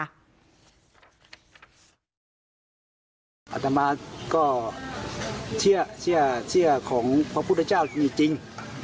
อาตมาก็เชื่อของพระพุทธเจ้ามีจริง